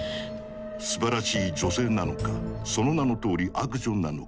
「すばらしい女性」なのか「その名のとおり悪女」なのか。